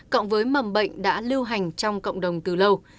cộng với mầm bệnh đã lưu hành trong cộng đồng từ lâu